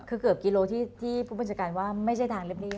คือเกือบกิโลที่ผู้บัญชาการว่าไม่ใช่ทางเรียบ